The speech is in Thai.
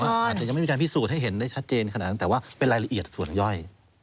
อาจจะยังไม่มีการพิสูจน์ให้เห็นได้ชัดเจนขนาดนั้นแต่ว่าเป็นรายละเอียดส่วนย่อย